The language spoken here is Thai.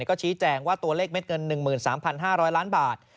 ก็ชี้แจงว่าตัวเลขเม็ดเงิน๑๓๕๐๐ล้านบาท